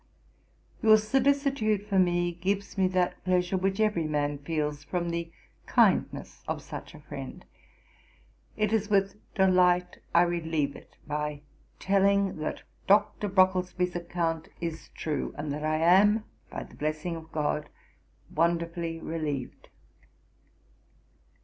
'Your solicitude for me gives me that pleasure which every man feels from the kindness of such a friend: and it is with delight I relieve it by telling, that Dr. Brocklesby's account is true, and that I am, by the blessing of GOD, wonderfully relieved.